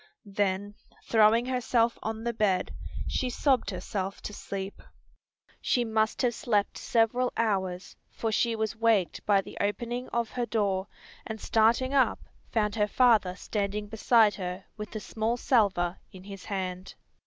Then throwing herself on the bed she sobbed herself to sleep. She must have slept several hours, for she was waked by the opening of her door, and starting up found her father standing beside her with a small salver in his hand.